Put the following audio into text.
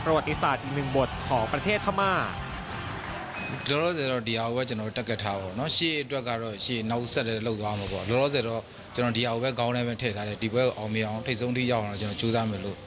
ประวัติศาสตร์อีกหนึ่งบทของประเทศพม่า